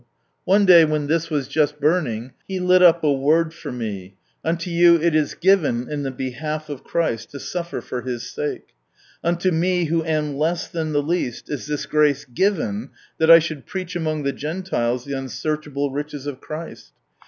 One day when this was just burning, He lit up a 28 From Sunrise Land Word for me, —" Unto you it is given in the behalf of Christ to suffer for His sake." Unto me, who am less than the least, is this grace given that I should preach among the Gentiles the unsearchable riches of Christ."